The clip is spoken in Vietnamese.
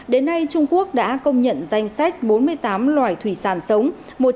đến nay trung quốc đã công nhận danh sách bốn mươi tám loài thủy sản sống